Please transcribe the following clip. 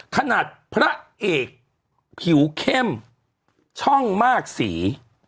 ขนาดพระเอกผิวเข้มช่องมากสี